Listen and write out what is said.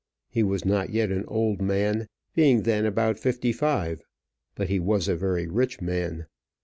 He was not yet an old man, being then about fifty five; but he was a very rich man.